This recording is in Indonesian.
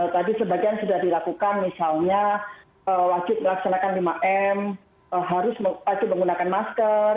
tadi sebagian sudah dilakukan misalnya wajib melaksanakan lima m harus menggunakan masker